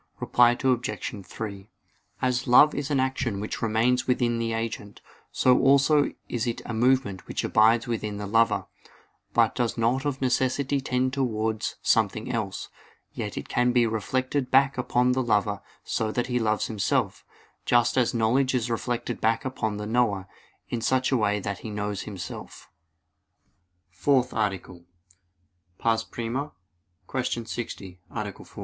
Reply Obj. 3: As love is an action which remains within the agent, so also is it a movement which abides within the lover, but does not of necessity tend towards something else; yet it can be reflected back upon the lover so that he loves himself; just as knowledge is reflected back upon the knower, in such a way that he knows himself. _______________________ FOURTH ARTICLE [I, Q. 60, Art.